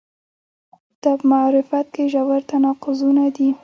دا په معرفت کې ژور تناقضونه دي.